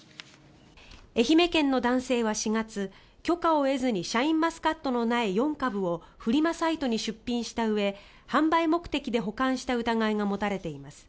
愛媛県の男性は４月許可を得ずにシャインマスカットの苗４株をフリマサイトに出品したうえ販売目的で保管した疑いが持たれています。